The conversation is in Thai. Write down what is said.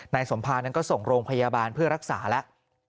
สมภานั้นก็ส่งโรงพยาบาลเพื่อรักษาแล้ว